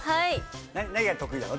何が得意なの？